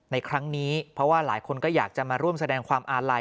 ในครั้งนี้เพราะว่าหลายคนก็อยากจะมาร่วมแสดงความอาลัย